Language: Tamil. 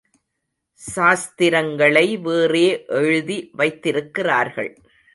சாஸ்திரங்களை வேறே எழுதி வைத்திருக்கிறார்கள்.